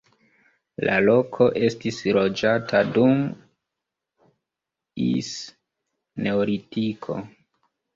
La loko estis loĝata dum ls neolitiko.